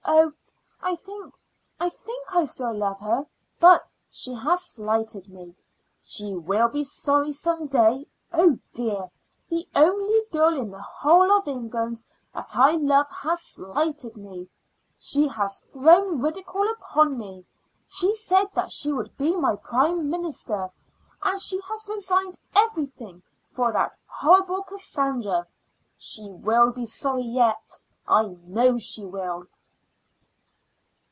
"Oh, I think I think I love her still. But she has slighted me. She will be sorry some day. Oh, dear! The only girl in the whole of England that I love has slighted me. She has thrown ridicule upon me. She said that she would be my Prime Minister, and she has resigned everything for that horrible Cassandra. She will be sorry yet; I know she will."